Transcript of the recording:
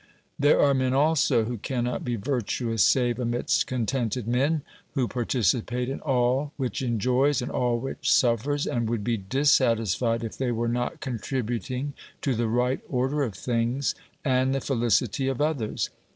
1 66 OBERMANN There are men also who cannot be virtuous save amidst contented men, who participate in all which enjoys and all which suffers, and would be dissatisfied if they were not contributing to the right order of things and the felicity of others.